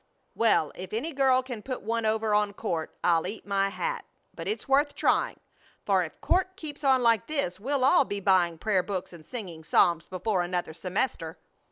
"Well, if any girl can put one over on Court, I'll eat my hat; but it's worth trying, for if Court keeps on like this we'll all be buying prayer books and singing psalms before another semester."